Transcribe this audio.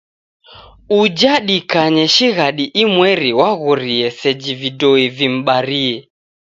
Uja dikanye shighadi imweri waghorie seji vidoi vim'barie.